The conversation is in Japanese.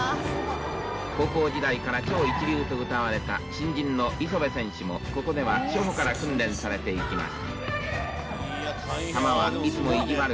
高校時代から超一流とうたわれた新人の磯辺選手もここでは初歩から訓練されていきます。